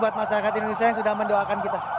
buat masyarakat indonesia yang sudah mendoakan kita